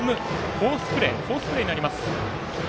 フォースプレーになります。